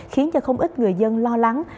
khiến cho không ít người dân lo lắng